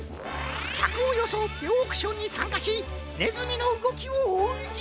きゃくをよそおってオークションにさんかしねずみのうごきをおうんじゃ。